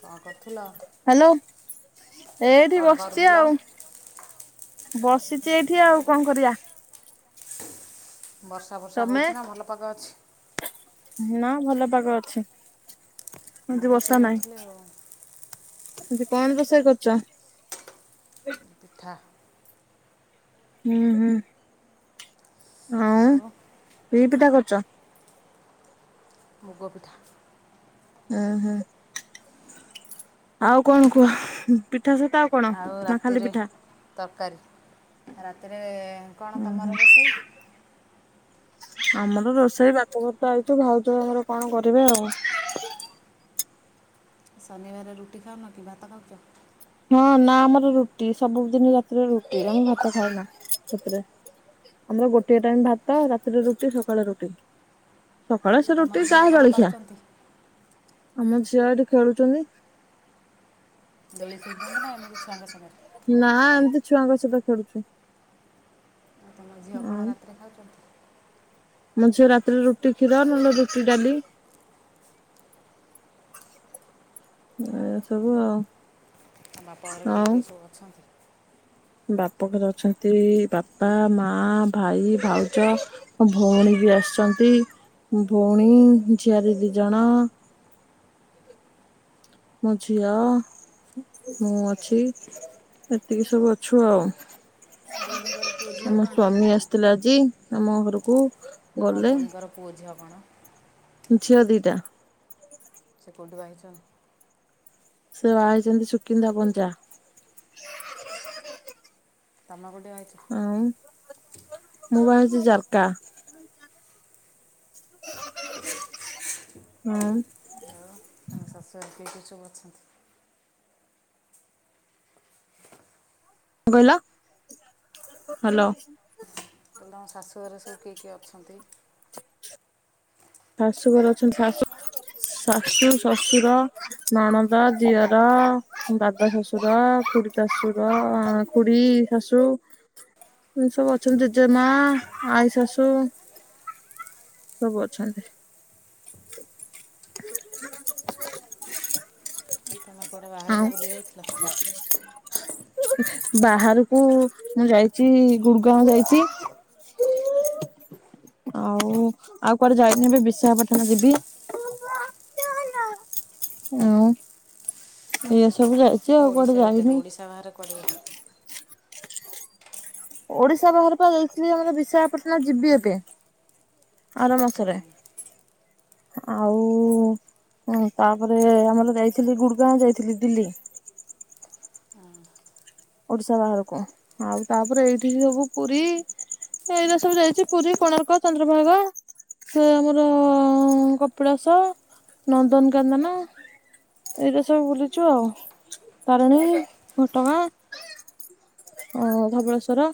କ'ଣ କରୁଥିଲ ହ୍ୟାଲୋ ଏଇଠି କ'ଣ ବସିଛି କରୁଥିଲ ଆଉ ବସିଛି ଏଇଠି ଆଉ କଣ କରିବା ବର୍ଷା ଫର୍ଷା ତମେ ହେଉଛି ନା ଭଲପାଗ ଅଛି? ନା ଭଲ ପାଗ ଅଛି। ମୁଁ ଏମତି ରୋଷେଇ ବର୍ଷା ନାହିଁ କରୁଥିଲି ଆଉ ଆଜି କଣ ରୋଷେଇ [unintelligible] ପିଠା। ହୁଁ ହୁଁ। ହଁ ଆଉ [inaudible] କି ପିଠା କରୁଛ ମୁଗ ପିଠା ହୁଁ ହୁଁ। ଆଉ କଣ କୁହ ପିଠା ସହିତ ଆଉ କଣ ନା ଖାଲି ପିଠା? କାରି ରାତିରେ କଣ ଉଁ ହୁଁ ତମର ରୋଷେଇ ଆମର ରୋଷେଇ ବାପ ଘରକୁ ତ ଆଇଛୁ ଭାଉଜ ଆମର କଣ କରିବେ ଆଉ। ଶନି ବାର ରୁଟି ଖାଉନ କି ଭାତ ଖାଉଚ? ହଁ ନା, ଆମର ରୁଟି ସବୁ ଦିନ ରାତିରେ ରୁଟି, ଆମେ ଭାତ ଖାଉନା ରାତିରେ। ଆମର ଗୋଟିଏ ଟାଇମ୍ ଭାତ ରାତିରେ ରୁଟି ସକାଳେ ରୁଟି। ସକାଳେ ସେ ତମ ରୁଟି ଝିଅ ଚାହା କ'ଣ ଜଳଖିଆ। କରୁଛନ୍ତି ଆମ ଝିଅ ଏଇଠି ଖେଳୁଛନ୍ତି। ଦୋଳି ଖେଳୁଛନ୍ତି ନା ଏମିତି ଛୁଆଙ୍କ ସାଙ୍ଗରେ? ନା ଏମିତି ଛୁଆଙ୍କ ସହିତ ଖେଳୁଛି। ଆଉ ତମ ଝିଅ କଣ ରାତିରେ ଖାଉଛନ୍ତି? ମୋ ଝିଅ ରାତିରେ ରୁଟି କ୍ଷୀର ନହେଲେ ରୁଟି ଡାଲି ଆଉ ଏ ସବୁ ଆଉ। ତମ ବାପା ଘର କିଏ ଆଉ କିଏ ସବୁ ଅଛନ୍ତି? ବାପ ଘରେ ଅଛନ୍ତି ବାପା, ମା, ଭାଇ, ଭାଉଜ, ଭଉଣୀ ବି ଆସିଛନ୍ତି ଭଉଣୀ, ଝିଆରି ଦି ଜଣ, ମୋ ଝିଅ, ମୁଁ ଅଛି। ଏତିକି ସବୁ ଅଛୁ ଆଉ। ଭଉଣୀଙ୍କର ପୁଅ ଝିଅ ଆମ କ'ଣ ସ୍ଵାମୀ ଆସିଥିଲେ ଆଜ୍ ଜି ଆମ ଘରକୁ। ତମ ଗଲେ ଭଉଣୀଙ୍କର ପୁଅ, ଝିଅ କଣ? ଝିଅ ଦିଟା। ସେ କଉଠି ବାହା ହେଇଛନ୍ତି? ସେ ବାହା ହେଇଛନ୍ତି ସୁକିନ୍ଦା ପଞ୍ଚା। ତମକୁ ଡି ଆଉ ମୋବାଇଲ ଜାଲକା ହୁଁ। ଆମ ଶାଶୁ [unintelligible] କଣ କହିଲ? ହାଲୋ। କହିଲି ତମ ଶାଶୁ ଘରେ ସବୁ କିଏ କିଏ ଅଛନ୍ତି? ଶାଶୁଘର ଅଛନ୍ତି, ଶାଶୁ, ଶାଶୁ, ଶଶୁର, ନଣଦ, ଦିଅର, ଦାଦା ଶଶୁର, ଖୁଡ଼ୀ ଶଶୁର ଅଁ ଖୁଡ଼ୀ ଶାଶୁ ଏମ ସବୁ ଅଛନ୍ତି। ଜେଜେମା, ଆଈ ଶାଶୁଁ ସବୁ ଅଛନ୍ତି। ତମେ କୁଆଡ଼େ ବାହାରକୁ ବୁଲି ଯାଇଥିଲ ଆଉଁ। ବାହାରକୁ ମୁଁ ଯାଇଛି ଗୁଡଗାଁଓ ଯାଇଛି। ଆଉ ଆଉ କୁଆଡେ ଯାଇନି ଏବେ ବିଶାଖାପାଟଣା ଯିବି। ଆଓଁ। [unintelligible] ଏତ ଓଡିଶା ଯାଇନି ଭିତରେ, ଓଡିଶା ବାହାର କୁଆଡେ ଯାଇଥ ଓଡିଶା ବାହାର ପା ଯାଇଥିଲି। ଆମର ବିଶାଖାପାଟଣା ଯିବି ଏବେ ଆର ମାସରେ ଆଉ ତାପରେ ଆମର ଯାଇଥିଲି ଗୁଡଗାଁଓ ଯାଇଥିଲି ଦିଲ୍ଲୀ। ଓଡିଶା ବାହାରକୁ ଆଉ ତାପରେ ଏଇଠି ସବୁ ପୁରୀ ଏଇଟା ସବୁ ଯାଇଛି ପୁରୀ, କୋଣାର୍କ, ଚନ୍ଦ୍ରଭାଗ ସେ ଆମର କପିଳାସ ନନ୍ଦନକନ୍ଦନ, ଏଇଟା ସବୁ ବୁଲିଛୁ ଆଉ ତାରିଣୀ ଘଟଗାଁ। ଅ ଧବଳେଶ୍ଵର।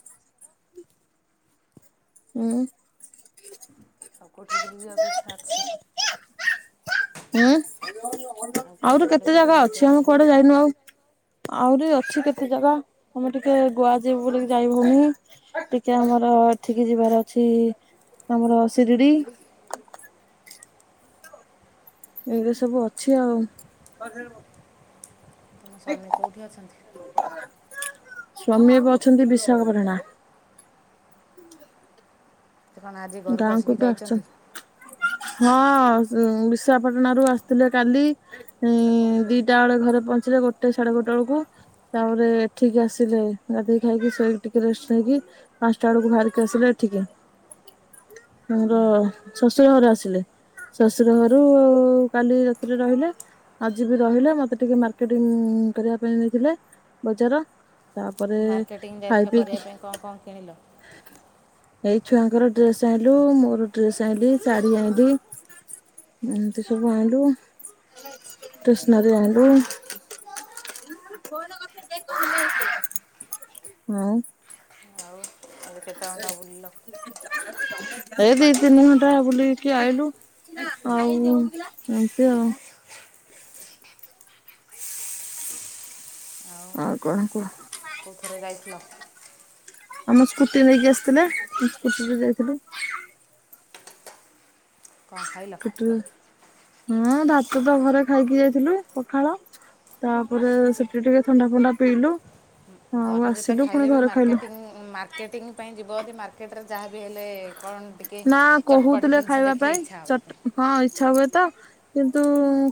ଉଁ। କଉଠି ବୁଲି ଯିବାକୁ ଇଚ୍ଛା ଅଛି? ହୁଁ। ଆଉ କୁଆଡ଼େ ଆଉରି କୁଆଡ଼େ କେତେ ବୁଲି ଜାଗା ଯିବା ପାଇଁ ଅଛି ଆମେ ଇଚ୍ଛା କୁଆଡେ ଯାଇନୁ ଆଉ। ଆହୁରି ଅଛି କେତେ ଜାଗା ଆମେ ଟିକେ ଗୋଆ ଯିବୁ ବୋଲିକି ଯାଇହଉନି, ଟିକେ ଆମର ଏଠିକି ଯିବାର ଅଛି ଆମର ଶିରିଡି। ଏବେ ସବୁ ଅଛି ଆଉ। ତୁମ ସ୍ୱାମୀ କେଉଁଠି ଅଛନ୍ତି? ସ୍ୱାମୀ ଏବେ ଅଛନ୍ତି ବିଶାଖାପାଟଣା। ସେ କଣ ଆଜି ଘରକୁ ଗାଁକୁ ଆସିକି ଏବେ ଯାଇଛନ୍ତି? ଆସିଛନ୍ତି ହଁ ବିଶାଖପାଟଣା ରୁ ଆସିଥିଲେ କାଲି ଦିଟା ବେଳେ ଘରେ ପହଞ୍ଚିଲେ ଗୋଟେ ସାଢେ ଗୋଟେ ବେଳକୁ ତାପରେ ଏଠିକି ଆସିଲେ ଗାଧୋଇକି ଖାଇକି ଶୋଇକି ଟିକେ ରେଷ୍ଟ ହେଇକି ପାଞ୍ଚଟା ବେଳକୁ ବାହାରିକି ଆସିଲେ ଏଠିକି। ମୋର ଶଶୁର ଘର ଆସିଲେ ଶଶୁର ଘରୁ ଆ କାଲି ରାତିରେ ରହିଲେ ଆଜି ବି ରହିଲେ ମତେ ଟିକେ ମାର୍କେଟିଂ କରିବା ପାଇଁ ନେଇଥିଲେ ବଜାର। ତାପରେ ମାର୍କେଟିଂ ଖାଇ ଯାଇଥିଲ କରିବା ପିଇକି ପାଇଁ କଣ କଣ କିଣିଲ? ଏଇ ଛୁଆଙ୍କର ଡ୍ରେସ୍ ଆଇଲୁ ମୋର ଡ୍ରେସ ଆଇଲି ଶାଢ଼ୀ ଆଇଲି ଏମିତି ସବୁ ଆଇଲୁ ଷ୍ଟେସନାରୀ ଆଇଲୁ। ହଁ ଆଉ କେତେ ଘଣ୍ଟା ବୁଲିଲ? ଏଇ ଦି ତିନି ଘଣ୍ଟା ବୁଲିକି ଟିକେ ଆଇଲୁ ଆଉ ଏମତି ଆଉ। ହଁ କଣ କୁହ? କୋଉଥିରେ ଯାଇଥିଲ? ଆମ ସ୍କୁଟି ନେଇକି ଆସିଥିଲେ ମୁ ସ୍କୁଟି ରେ ଯାଇଥିଲି। କଣ ଖାଇଲ? ସ୍କୁଟିରେ ହଁ ଭାତ ତ ଘରେ ଖାଇକି ଯାଇଥିଲୁ ପଖାଳ ତାପରେ ସେଠି ଟିକେ ଥଣ୍ଡା ଫଣ୍ଡା ପିଇଲୁ। ଆଉ ଘରେ ଯେତେ ଆସିଲୁ ପୁଣି ଖାଇଲେ ବି ଘରେ ଖାଇଲୁ ମାର୍କେଟିଂ ମାର୍କେଟିଙ୍ଗ ପାଇଁ ଯିବ ଯଦି ମାର୍କେଟରେ ଯାହା ବିି ହେଲେ କ'ଣ ଟିକେ ନା ଚଟପଟ କହୁଥିଲେ ଜିନିଷ ଖାଇବା ଦେଖିଲେ ପାଇଁ ଇଚ୍ଛା ହେବା ପାଇଁ ଚଟ ହଁ ଇଚ୍ଛା ହୁଏ ତ କିନ୍ତୁ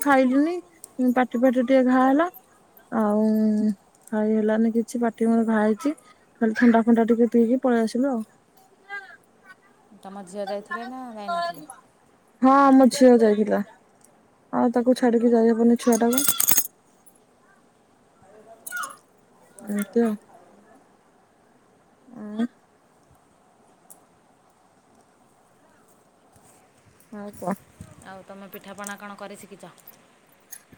ଖାଇଲିନି ପାଟି ପାଟି ଟିକେ ଘା ହେଲା ଆଉ ଖାଇ ହେଲାନି କିଛି ପାଟି ମୋର ଘା ହେଇଛି ଖାଲି ଥଣ୍ଡା ଫଣ୍ଡା ଟିକେ ପିଇକି ପଳେଇ ଆସିଲୁ ଆଉ। ତୁମ ଝିଅ ଯାଇଥିଲେ ନା ଯାଇନଥିଲେ? ହଁ ମୋ ଝିଅ ଯାଇଥିଲା ଆଉ ତାକୁ ଛାଡିକି ଯାଇହବନି ଛୁଆ ଟାକୁ। ଏଇ ତୋଉ [unintelligible] ହଁ କୁହ ଆଉ ତମେ ପିଠାପଣା କଣ କରି ଶିଖିଛ?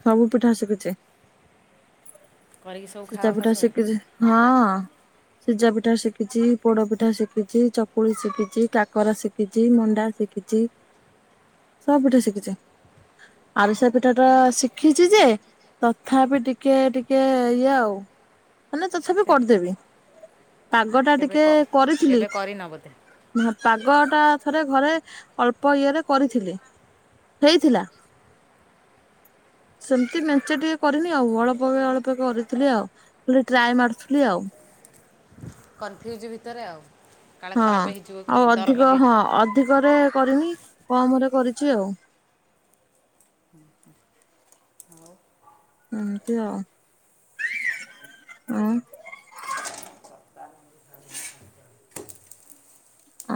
ସବୁ ପିଠ ଆସିଖିଛି। କରିକି ସବୁ ସି ଖାଅ ପିଠା ଫିଟା ଶାଶୁଘରେ ଶିଖିଚି ହଁ। ସିଜା ପିଠା ଶିଖିଛି ପୋଡ ପିଠା ଶିଖିଛି ଚକୁଳି ଶିଖିଛି କାକରା ଶିଖିଛି ମଣ୍ଡା ଶିଖିଛି ସବୁ ପିଠା ଶିଖିଛି ଆରିସା ପିଠା ଟା ଶିଖିଛି ଯେ ତଥାପି ଟିକେ ଟିକେ ଦିଆଉ ମାନେ ତଥାପି ତେ କରିଦେବି। ପାଗ ଟା କେବେ ଟିକେ କ- କରିଥିଲି କେବେ କରିନ ବୋଧେ ପାଗ ଥରେ ଘରେ ଅଳ୍ପ ଇଏରେ କରିଥିଲି ହେଇଥିଲା। ସେମିତି ମେଞ୍ଚେ ଟିକେ କରିନି ଆଉ ଅଳ୍ପ ଅଳ୍ପ କରି ଥିଲି ଆଉ ଖଲି ଟ୍ରାଏ ମାରୁଥିଲି ଆଉ କନଫ୍ୟୁଜ୍ ଭିତରେ ଆଉ କାଳେ ହଁ ଖରାପ ହେଇଯିବ କି ଆଉ ଡର ଅଧିକ ଲାଗେ ହଁ ଅଧିକରେ କରିନି କମରେ କରିଛି ଆଉ ଏମିତି ଆଉ ଉମଂ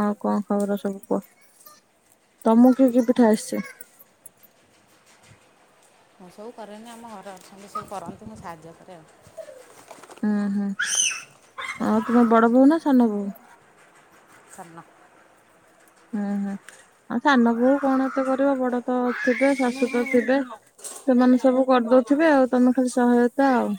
ଆଉ କଣ ଖବର ସବୁ କୁହ, ତମ କିଏ କି ପିଠା ଆସେ? ମୁଁ ସବୁ କରେନି, ଆମ ଘରେ ଅଛନ୍ତି ସବୁ କରନ୍ତି। ମୁଁ ସାହାଯ୍ୟ କରେ ଆଉ। ହୁଁ ହୁଁ ହ ତୁମେ ବଡ ବୋହୁ ନା ସାନ ବୋହୁ? ସାନ। ହୁଁ ହୁଁ ଆଉ ସାନ ବୋଉ କଣ ଏତେ କରିବ ବଡ ତ ଥିବେ, ଶାଶୁ ତ ଥିବେ ସେମାନେ ସବୁ କରିଦଉଥିବେ ଆଉ। ତମେ ଖାଲି ସହାୟତା ଆଉ।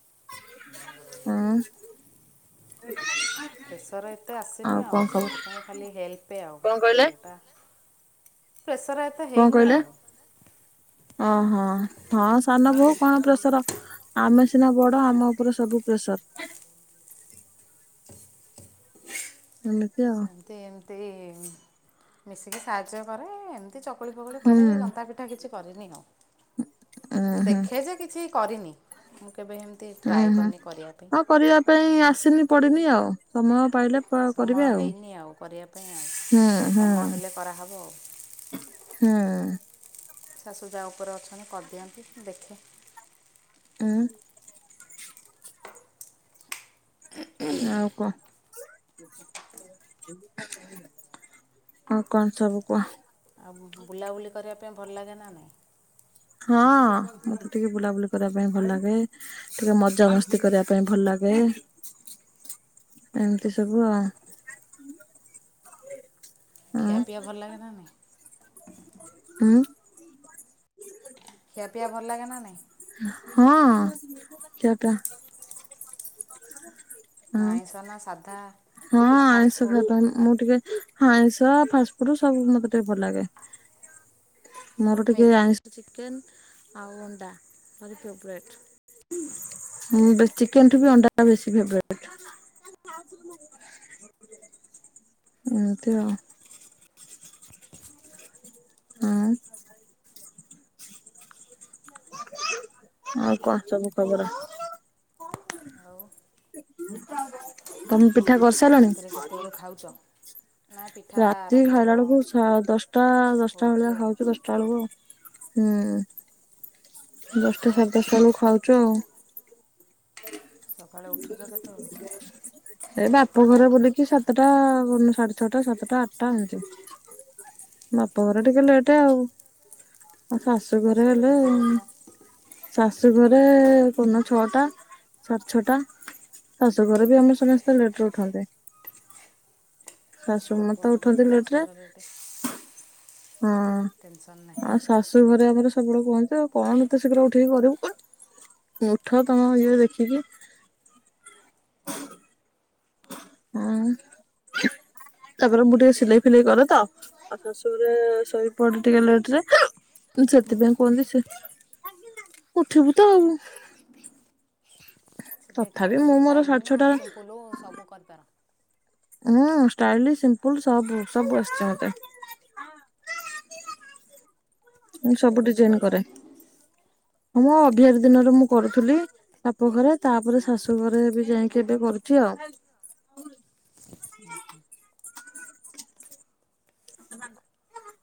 ଉଁ। ପ୍ରେସର ଏତେ ଆସିନି ଆଉ ସେଇଥିପାଇଁ ଖାଲି ହେଲ୍ପ ଆଉ କଣ କହିଲେ? ଯୋଉଟା ପେସର ଏତେ କଣ ହେଇନି କହିଲେ? ଆଉ ଓହୋ ହଁ ସାନ ବୋହୁ କଣ ପ୍ରେସର ଆମେ ସିନା ବଡ ଆମ ଉପରେ ସବୁ ପ୍ରେସର। ଏମିତି ଆଉ ଏମିତି ଏମିତି ମିଶିକି ସାହାଯ୍ୟ କରେ ଏମ ଚକୁଳି ଫକୁଳି ହୁଁ କରେ ଜନ୍ତା ପିଠା କିଛି କରିିନି ଉଁ ଆଉ ଦେଖେ ଯେ କିଛି କରିନି ମୁଁ କେବେ ଏମିତି ହୁଁ ଟ୍ରାଏ ହୁଁ କରିନି କରିବା ପାଇଁ ହଁ କରିବା ପାଇଁ ଆସିନି ପଡ଼ିନି ଆଉ ସମୟ ପାଇଲେ କରିବେ ସମୟ ହେଇନି ଆଉ କରିବା ପାଇଁ ଆଉ ହୁଁ ହୁଁ ସମୟ ହେଲେ କରାହେବ। ହୁଁ। ଶାଶୁ ଯା ଉପରେ ଅଛନ୍ତି କରିଦିଅନ୍ତି ଦେଖେ ଉଁ। ଆଉ କହ ଆଉ କଣ ସବୁ କୁହ? ବୁଲାବୁଲି କରିବା ପାଇଁ ଭଲ ଲାଗେ ନା ନାଇଁ? ହଁ ମତେ ଟିକେ ବୁଲାବୁଲି କରିବା ପାଇଁ ଭଲ ଲାଗେ ଟିକେ ମଜାମସ୍ତି କରିବା ପାଇଁ ଭଲ ଲାଗେ ଏମିତି ସବୁ ଆଉ। ଖିଆ ଉଁ ପିଇବା ଭଲ ଲାଗେ ନା ନାଇ? ଉଁ। ଖିଆ ପିଆ ଭଲ ଲାଗେ ନା ନାଇଁ? ହଁ ଚକା ଆଇଁଷ ନା ସାଧା ହଁ ନା ଆଇଁଷ ଖା ଫାଷ୍ଟଫୁଡ଼୍ ଭଲ ମୁଁ ଟିକେ ଆଇଁଷ, ଫାଷ୍ଟଫୁଡ ସବୁ ମତେ ଟିକେ ଭଲ ଲାଗେ। ମୋର ଟିକେ ଆଇଁଷ ଚିକେନ ଆଉ ଅଣ୍ଡା ମୋର ଫେବରେଟ। ମୁଁ ବି ଚିକେନ ଠୁ ଅଣ୍ଡା ବେଶୀ ଫେବରେଟ। ଏମିତି ଆ ଆ ଆଉ କଣ ସବୁ ଖବର? ଆଉ କମ୍ପ ଏଠା ଆ କରିସାରିଲଣି? ରାତିରେ କେତେବେଳୁ ଖାଉଛ? ନା ପିଠା ରାତି ଆରମ୍ଭ ଖାଇଲା ବେଳକୁ ସା ଦଶଟା ଦଶଟା ହେଉଛି ଭଳିଆ ଆଉ ଖାଉଛୁ ଦଶଟା ବେଳକୁ ଆଉ। ହୁଁ। ଦଶଟା ସାଡେ ଦଶଟା ବେଳୁ ଖାଉଛୁ ଆଉ। ସକାଳେ ଉଠୁଛ କେତେବେଳୁ? ଏ ବାପ ଘରେ ବୁଲିକି ସାତଟା ସାଢେ ଛଅଟା ସାତଟା ଆଠଟା ଏମିତି ବାପଘରେ ଟିକେ ଲେଟ ଆଉ। ଆଉ ଶାଶୁଘରେ ହେଲେ କେତେବେଳେ ଉଠ? ଶାଶୁଘରେ କୋଉ ଦୀନ ଛଅଟା ସାଡେ ଛଅଟା ଶାଶୁ ଘରେ ବି ଆମେ ସମସ୍ତେ ତ ଲେଟର ଉଠନ୍ତି। ଶାସୁ ମତେ ବାପଘର ଲେଟ୍ ଉଠନ୍ତି ଲେଟରେ। ଶାଶୁଘର ଲେଟ୍ ହଁ ଟେନସନ୍ ନାହିଁ। ଆଉ ଶାଶୁ ଘରେ ଆମର ସବୁବେଳେ ତ କଣ ତ ସେ କଉଠିଲେ ଉଠିକି ତମ ଘରୁ ଉଠ ତମେ ଝିଅ ଦେଖିକି ହୁଁ ତାପରେ ମୁଁ ଟିକେ ସିଲେଇ ଫିଲେଇ କରେ ତ ଆଉ ଶାଶୁଘରେ ଶୋଇପଡେ ଟିକେ ଲେଟ ରେ ସେଥିପାଇଁ କୁହନ୍ତି ସେ ଉଠିବୁ ତ ଆଉ ସିଲେଇ କଣ ତଥାପି ମୁଁ ମୋର ଷ୍ଟାଇଲି ସାଢେ ନା ସିମ୍ପୁଲୁ ଛଅଟା ସବୁ କରିପାର? ଉୁଁ ଷ୍ଟାଇଲ ସିମ୍ପଲ ସବୁ ସବୁ ଆସିଛି ମତେ। ମୁଁ ସବୁ କେବେଠୁ ଡିଜାଇନ କରେ। କଲଣି? ହଁ ମୁଁ ଅଭିଆରି ଦିନରୁ ମୁଁ କରୁଥିଲି ବାପଘରେ ତାପରେ ଶାଶୁ ଘରେ ବି ଯାଇକି ଏବେ କରୁଛି ଆଉ।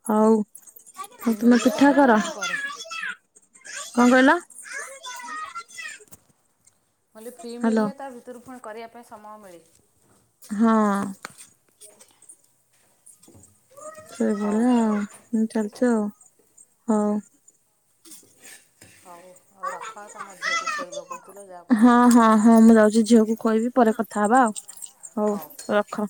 ହଉ ଆଉ ଫ୍ରି ତୁମେ ମିଳିଲେ ତା ପିଠା ଭିତରୁ କର? ପୁଣି କରେ। ମୁଁ କଣ କହିଲ? ମୁଁ କହିଲି ଫ୍ରି ହ୍ୟାଲୋ ମିଳିଲେ ତା ଭିତରୁ ପୁ କରିବା ପାଇଁ ସମୟ ମିଳେ। ହଁ ସେଇ ହଉ। ଭଲିଆ ଆଉ ଛ ହଉ ହଉ ଆଉ ରଖ ତମ ଝିଅକୁ ଖୁଇବ କହୁଥିଲ ଯା ହଁ ଖୁଇବ। ହଁ ହଁ ମୁଁ ଯାଉଛି ଝିଅକୁ କହିବି ପରେ କଥା ହବା ଆଉ ହଉ ରଖ।